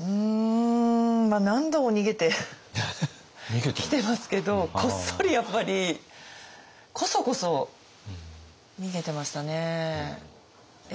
うんまあ何度も逃げてきてますけどこっそりやっぱりこそこそ逃げてましたね。